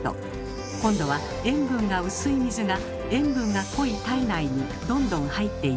今度は塩分が薄い水が塩分が濃い体内にどんどん入っていきます。